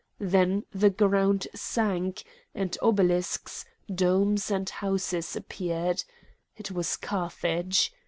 Then the ground sank, and obelisks, domes, and houses appeared! It was Carthage.